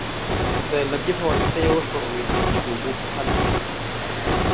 د لرګي په واسطه یې وښورئ چې په اوبو کې حل شي.